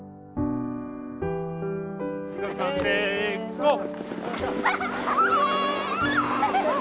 ゴー！